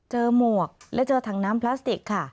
หมวกและเจอถังน้ำพลาสติกค่ะ